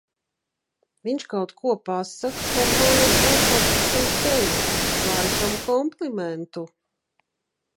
Viņš kaut ko pasaka par manu aizpampušo seju. Laikam komplimentu.